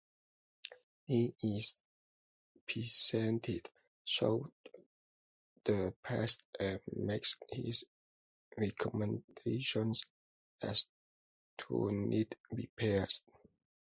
He is presently shown the press and makes his recommendations as to needed repairs.